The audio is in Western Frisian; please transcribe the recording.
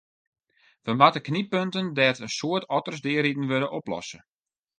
We moatte knyppunten dêr't in soad otters deariden wurde, oplosse.